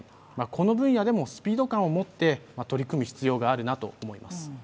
この分野でもスピード感を持って取り組む必要があるなと思います。